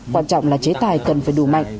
quan trọng là chế tài cần phải đủ mạnh